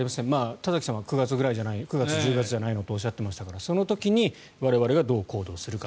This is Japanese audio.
田崎さんは９月、１０月ぐらいじゃないかとおっしゃっていましたがその時に我々がどう行動するか。